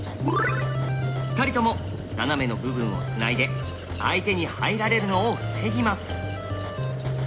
２人とも斜めの部分をつないで相手に入られるのを防ぎます。